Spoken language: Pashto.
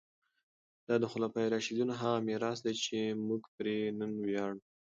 دا د خلفای راشدینو هغه میراث دی چې موږ پرې نن ویاړو.